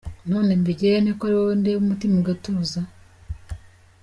None mbigire nte ko ari wowe ndeba umutima ugatuza.